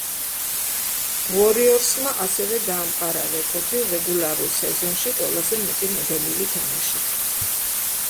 უორიორსმა ასევე დაამყარა რეკორდი, რეგულარულ სეზონში ყველაზე მეტი მოგებული თამაშით.